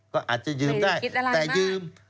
ก็อาจจะยืมได้แต่ยืม